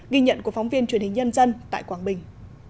ghi nhận của phóng viên truyền hình nhân dân tại quảng bình